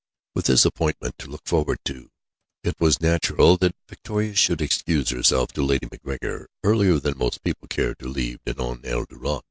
With this appointment to look forward to, it was natural that Victoria should excuse herself to Lady MacGregor earlier than most people cared to leave Djenan el Djouad.